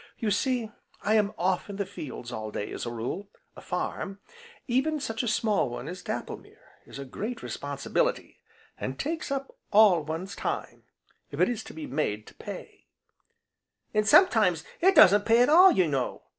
You see, I am off in the fields all day, as a rule; a farm, even such a small one as Dapplemere, is a great responsibility, and takes up all one's time if it is to be made to pay " "An' sometimes it doesn't pay at all, you know!"